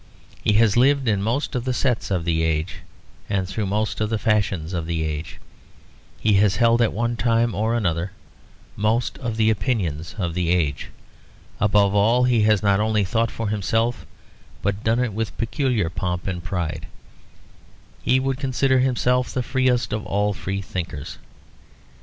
He has lived in most of the sets of the age, and through most of the fashions of the age. He has held, at one time or another, most of the opinions of the age. Above all, he has not only thought for himself, but done it with peculiar pomp and pride; he would consider himself the freest of all freethinkers.